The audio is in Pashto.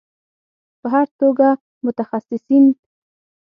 په هر توګه متخصصین